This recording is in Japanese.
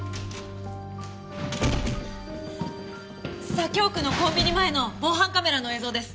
左京区のコンビニ前の防犯カメラの映像です。